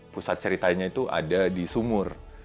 pusat ceritanya itu ada di sumur